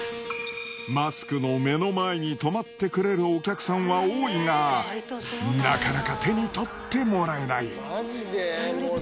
マスクの目の前に止まってくれるお客さんは多いが、なかなか手に取ってもらえない。